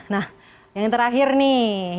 nah yang terakhir nih